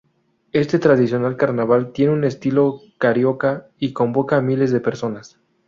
Este tradicional carnaval tiene un estilo carioca y convoca a miles de personas.